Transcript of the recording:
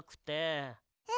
え？